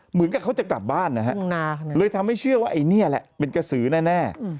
เหมือนกับเขาจะกลับบ้านนะฮะเลยทำให้เชื่อว่าไอ้นี่แหละเป็นกระสือแน่